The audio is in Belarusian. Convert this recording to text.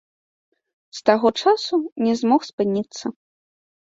З таго часу не змог спыніцца.